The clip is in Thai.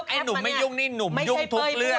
ไอ้หนุ่มไม่ยุ่งนี่หนุ่มยุ่งทุกเรื่อง